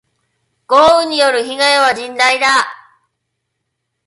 豪雨による被害は甚大だ。